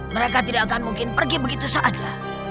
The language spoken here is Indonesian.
mereka tidak akan mungkin pergi begitu saja